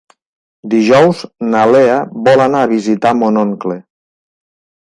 Dijous na Lea vol anar a visitar mon oncle.